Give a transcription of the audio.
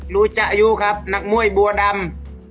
รู้จักอายุครับนักมวยบัวดำ